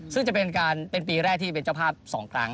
ซึ่งจะเป็นปีแรกที่เป็นเจ้าภาพ๒ครั้ง